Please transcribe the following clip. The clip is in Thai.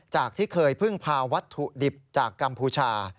ที่เคยพึ่งพาวัตถุดิบจากกัมพูชา